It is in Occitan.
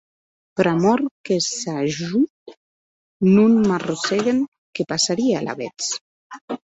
Pr'amor que, s'a jo non m'arrossèguen, qué passarie alavetz?